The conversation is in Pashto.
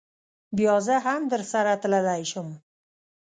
بیا زه هم درسره تللی شم.